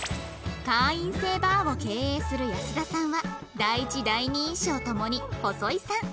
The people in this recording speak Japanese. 会員制バーを経営する保田さんは第一第二印象ともに細井さん